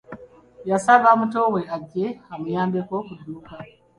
Yasaba mutowe ajje amuyambeko ku dduuka.